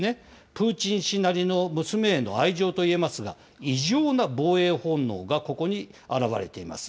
プーチン氏なりの娘への愛情といえますが、異常な防衛本能がここに表れています。